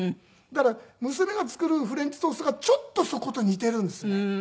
だから娘が作るフレンチトーストがちょっとそこと似ているんですよね。